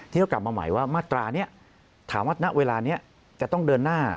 ที่ก็กลับมาใหม่ว่ามาตรานี้ถามว่าณเวลานี้จะต้องเดินหน้า